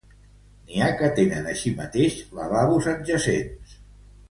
N'hi ha que tenen així mateix lavabos adjacents.